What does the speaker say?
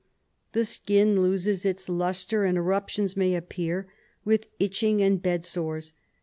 The skin loses its lustre and eruptions may appear, with itching and bedsores.